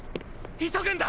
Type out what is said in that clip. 急ぐんだ！！